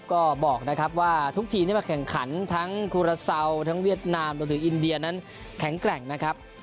ก็บอกนะครับว่าทุกทีมที่มาแข่งขันทั้งคูราเซาทั้งเวียดนามรวมถึงอินเดียนั้นแข็งแกร่งนะครับ